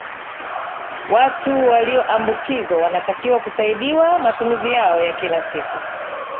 watu waliyoambukizwa wanatakiwa kusaidiwa matumizi yao ya kila siku